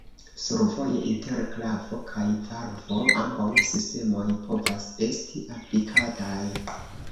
Survoje inter klavo kaj valvo ambaŭ sistemoj povas esti aplikataj.